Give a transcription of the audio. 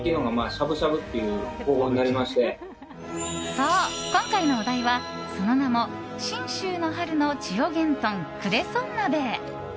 そう、今回のお題はその名も信州の春の千代幻豚クレソン鍋。